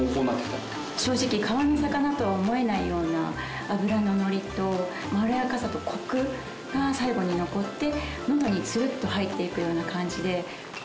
正直川の魚とは思えないような脂ののりとまろやかさとコクが最後に残って喉にツルッと入っていくような感じで。